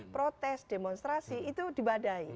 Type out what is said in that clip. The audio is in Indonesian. protes demonstrasi itu dibadai